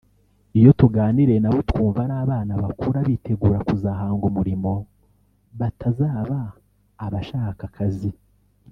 iyo tuganiriye nabo twumva ari abana bakura bitegura kuzahanga umurimo batazaba abashaka akazi